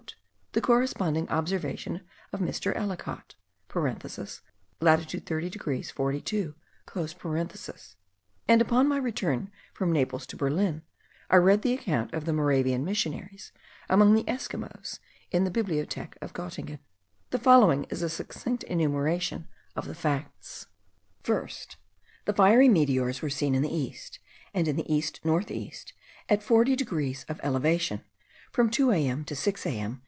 the corresponding observation of Mr. Ellicot (latitude 30 degrees 42); and upon my return from Naples to Berlin, I read the account of the Moravian missionaries among the Esquimaux, in the Bibliothek of Gottingen. The following is a succinct enumeration of the facts: First. The fiery meteors were seen in the east, and the east north east, at 40 degrees of elevation, from 2 to 6 a.m.